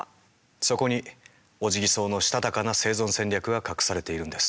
そこにオジギソウのしたたかな生存戦略が隠されているんです。